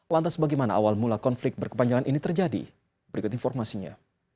lantas bagaimana awal mula konflik berkepanjangan ini terjadi berikut informasinya